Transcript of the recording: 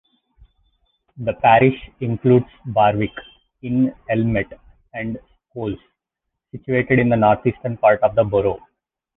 The parish includes Barwick-in-Elmet and Scholes, situated in the north-eastern part of the borough.